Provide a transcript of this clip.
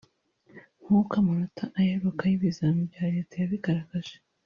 nk’uko amanota aheruka y’ibizami bya Leta yabigaragaje